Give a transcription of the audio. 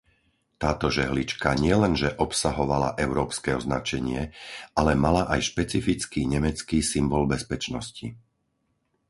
Táto žehlička nielenže obsahovala európske označenie, ale mala aj špecifický nemecký symbol bezpečnosti.